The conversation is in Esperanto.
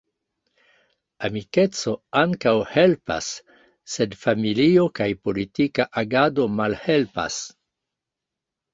Amikeco ankaŭ helpas, sed familio kaj politika agado malhelpas.